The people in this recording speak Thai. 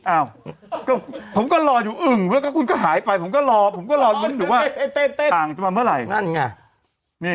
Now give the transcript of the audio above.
อ้าวผมก็รออยู่อึ่งแล้วก็คุณก็หายไปผมก็รอผมก็รออยู่หรือว่าอ่างจะมาเมื่อไหร่